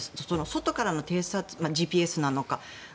外からの偵察ＧＰＳなのか。